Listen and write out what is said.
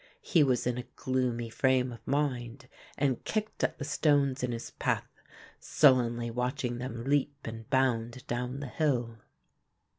He was in a gloomy frame of mind and kicked at the stones in his path, sullenly watching them leap and bound down the hill.